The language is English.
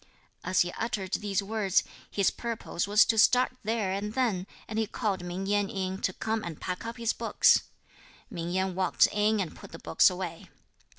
As he uttered these words, his purpose was to start there and then, and he called Ming Yen in, to come and pack up his books. Ming Yen walked in and put the books away.